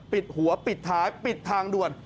ปิดหัวปิดท้ายปิดทางด่วน